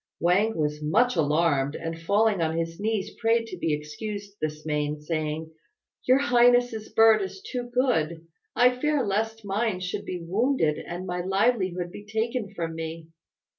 Wang was much alarmed, and falling on his knees prayed to be excused this main, saying, "Your highness's bird is too good. I fear lest mine should be wounded, and my livelihood be taken from me."